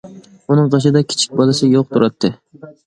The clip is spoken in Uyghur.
ئۇنىڭ قېشىدا كىچىك بالىسى يوق تۇراتتى.